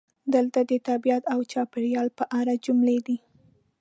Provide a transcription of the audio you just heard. دلته د "طبیعت او چاپیریال" په اړه جملې دي: